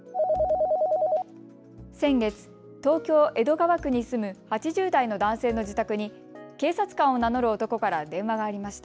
先月、東京江戸川区に住む８０代の男性の自宅に警察官を名乗る男から電話がありました。